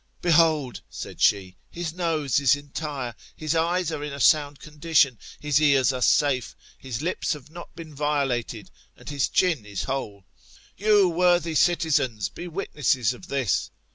Behold, said she, his nose is entire, his eyes are in a sound condition, his ears are safe, his lips have not been violated, and his chin is whole. You, worthy citizens, be witnesses of this.